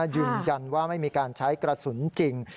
ยืนยันว่าไม่มีการใช้กระสุนจริง